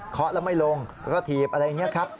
แล้วไม่ลงแล้วก็ถีบอะไรอย่างนี้ครับ